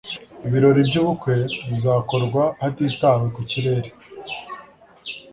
ibirori byubukwe bizakorwa hatitawe ku kirere